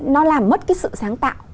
nó làm mất cái sự sáng tạo